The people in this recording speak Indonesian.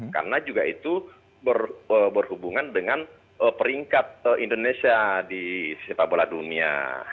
karena juga itu berhubungan dengan peringkat indonesia di sepak bola dunia